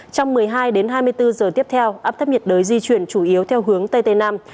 trong một mươi hai đến hai mươi bốn giờ tiếp theo áp thấp nhiệt đới di chuyển chủ yếu theo hướng tây tây nam